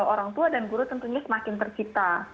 orang tua dan guru tentunya semakin tercipta